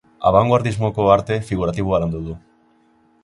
Abangoardismoko arte figuratiboa landu du.